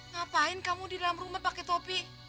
ngapain kamu di dalam rumah pakai topi